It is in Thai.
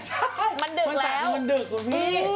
ใช่มันดึกแล้วมันสายแล้วมันดึกหรอพี่